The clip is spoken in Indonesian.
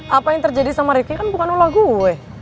apa yang terjadi sama rifki kan bukan olah gue